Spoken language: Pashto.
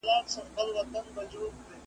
بېخبره د توپان له شواخونه ,